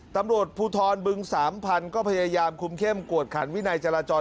ตำรวจภูทรบึงสามพันธุ์ก็พยายามคุมเข้มกวดขันวินัยจราจร